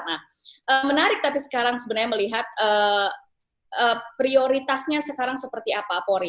nah menarik tapi sekarang sebenarnya melihat prioritasnya sekarang seperti apa polri